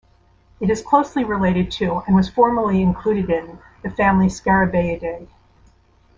It is closely related to, and was formerly included in, the family Scarabaeidae.